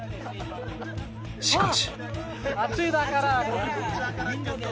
しかし